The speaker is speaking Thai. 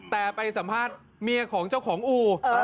แต่ไปสัมภาษณ์เมียของเจ้าของอู่